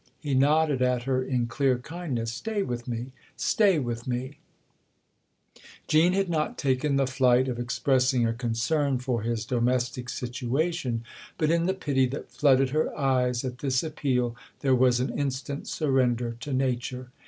He nodded at her in clear kindness. " Stay with me stay with me !" Jean had not taken the flight of expressing a 96 THE OTHER HOUSE concern for his domestic situation, but in the pity that flooded her eyes at this appeal there was an instant surrender to nature.